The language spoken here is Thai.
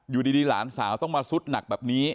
อยู่ดีหลานสาวต้องมาซุดหนักแบบนี้